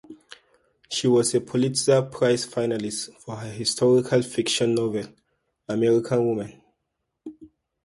She was a Pulitzer Prize finalist for her historical fiction novel, "American Woman".